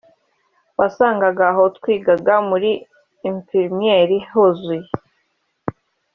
wasangaga aho twitaga muri infirmerie huzuye